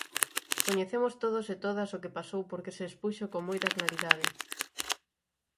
Coñecemos todos e todas o que pasou porque se expuxo con moita claridade.